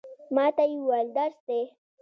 ما ته یې وویل، درس دی.